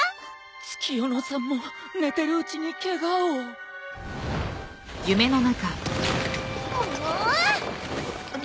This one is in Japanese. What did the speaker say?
月夜野さんも寝てるうちにケガを。もうっ！